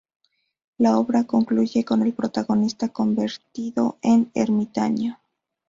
La obra concluye con el protagonista convertido en ermitaño.